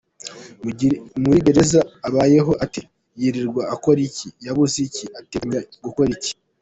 Muri gereza abayeho ate, yirirwa akora iki, yabuze iki, arateganya gukora iki?